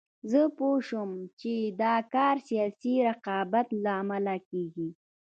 زه پوه شوم چې دا کار سیاسي رقابت له امله کېږي.